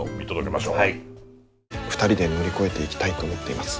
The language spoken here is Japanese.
２人で乗り越えていきたいと思っています。